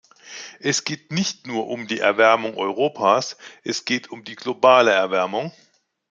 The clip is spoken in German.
Es geht nicht nur um die Erwärmung Europas, es geht um die globale Erwärmung.